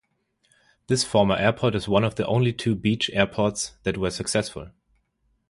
This former airport is one of only two beach airports that were successful.